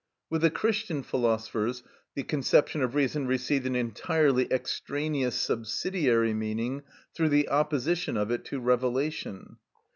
With the Christian philosophers the conception of reason received an entirely extraneous, subsidiary meaning through the opposition of it to revelation.